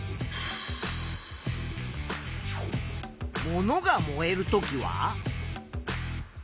物が燃えるときは？